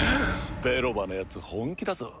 ベロバのやつ本気だぞ。